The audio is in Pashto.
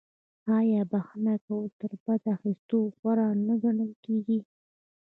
آیا بخښنه کول تر بدل اخیستلو غوره نه ګڼل کیږي؟